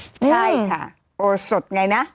ใช่ค่ะโอ้สดไงนะ